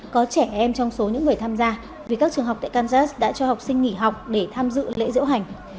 có trẻ em trong số những người tham gia vì các trường học tại kansas đã cho học sinh nghỉ học để tham dự lễ diễu hành